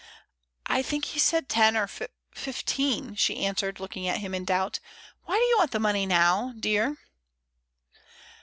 "I think he said ten or f — fifteen," she an swered, looking at him in doubt. "Why do you want the money now, dear?"